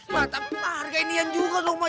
mata markenian juga dong mak